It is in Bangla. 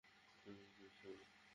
তুমি একজন সৈনিক?